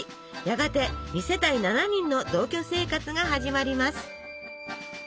やがて２世帯７人の同居生活が始まります。